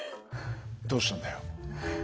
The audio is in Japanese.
どうしたんだよ。